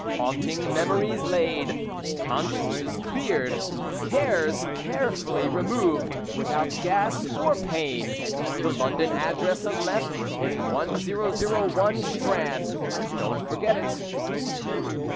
Haunting Memories Laid! Consciences Cleared. Cares carefully Removed without Gas or Pain. The London address of Lethe is 1001, Strand. Don't forget it.